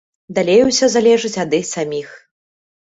Далей усё залежыць ад іх саміх.